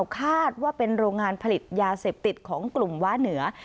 คาดว่าเป็นโรงงานผลิตยาเสพติดของกลุ่มว้าเหนือ